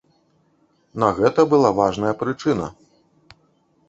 На гэта была важная прычына.